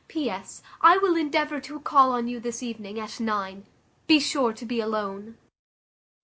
"P.S. I will endeavour to call on you this evening, at nine. Be sure to be alone."